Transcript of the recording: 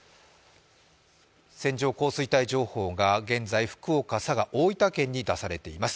線状降水帯発生情報が現在、福岡、佐賀大分県に出されています。